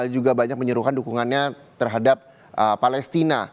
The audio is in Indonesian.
juga banyak menyerukan dukungannya terhadap palestina